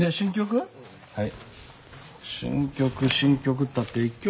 はい。